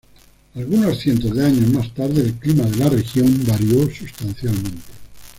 Algunos cientos de años más tarde, el clima de la región varió sustancialmente.